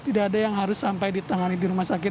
tidak ada yang harus sampai ditangani di rumah sakit